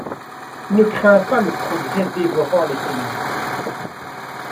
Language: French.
Ne crains pas le progrès dévorant les ténèbres !